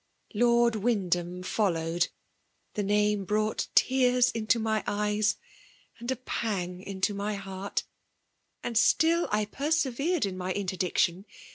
LardWynd Aam fe&owed — (the name brought teara into my eyes and a pang into my heart I) — and still I persevered in my interdiction.